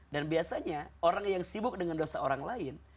dan biasanya orang yang sibuk dengan dosa orang lain